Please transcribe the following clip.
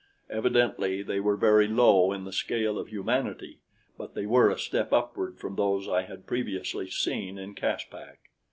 Evidently they were very low in the scale of humanity, but they were a step upward from those I had previously seen in Caspak.